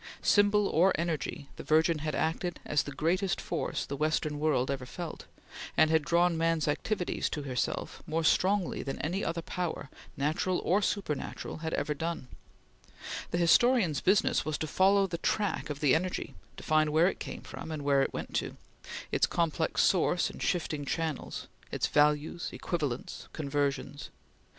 Symbol or energy, the Virgin had acted as the greatest force the Western world ever felt, and had drawn man's activities to herself more strongly than any other power, natural or supernatural, had ever done; the historian's business was to follow the track of the energy; to find where it came from and where it went to; its complex source and shifting channels; its values, equivalents, conversions.